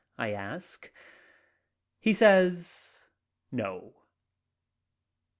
I ask. He says, "No."